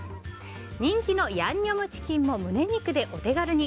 人気のヤンニョムチキンも胸肉でお手軽に。